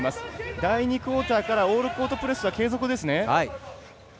第２クオーターからオールコートプレスは継続ですね。